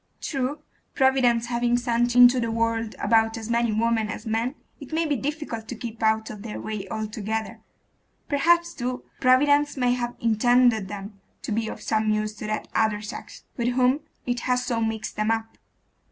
True, Providence having sent into the world about as many women as men, it maybe difficult to keep out of their way altogether. Perhaps, too, Providence may have intended them to be of some use to that other sex, with whom it has so mixed them up.